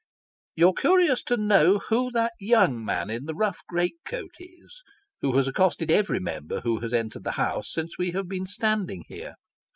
You are curious to know who that young man in the rough great coat is, who has accosted every Member who has entered the House since we have been standing here.